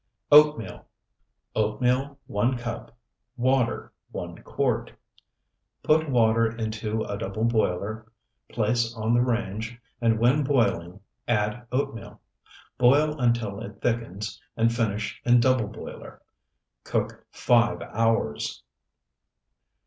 OATMEAL Oatmeal, 1 cup. Water, 1 quart. Put water into a double boiler, place on the range, and when boiling add oatmeal. Boil until it thickens and finish in double boiler. Cook five hours.